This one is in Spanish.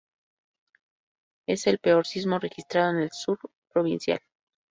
Es el peor sismo registrado en el sur provincial.